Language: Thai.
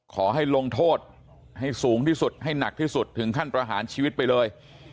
ขอให้ลงโทษให้สูงที่สุดให้หนักที่สุดถึงขั้นประหารชีวิตไปเลย